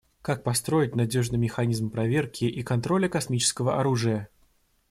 Как построить надежный механизм проверки и контроля космического оружия?